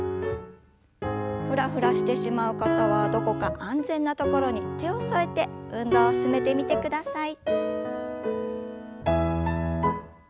ふらふらしてしまう方はどこか安全な所に手を添えて運動を進めてみてください。